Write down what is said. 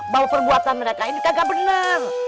bahwa perbuatan mereka ini kagak benar